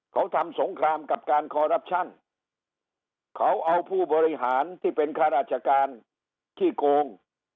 เขาทำสงครามกับการเขาเอาผู้บริหารที่เป็นค่าราชการที่โกง